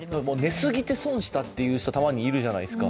寝すぎて損したという人、たまにいるじゃないですか。